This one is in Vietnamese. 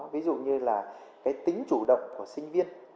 ví dụ như là cái tính chủ động của sinh viên